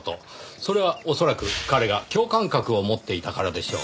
それは恐らく彼が共感覚を持っていたからでしょう。